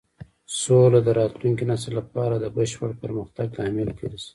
سوله د راتلونکي نسل لپاره د بشپړ پرمختګ لامل ګرځي.